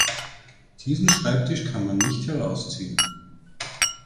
Diesen Schreibtisch kann man nicht herausziehen.